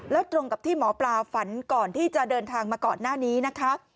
แล้วตรงกับที่หมอปลาฝันก่อนที่จะเดินทางมาก่อนหน้านี้นะคะ